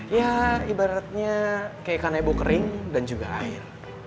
ya ibaratnya kayak kan ebu kering dan juga air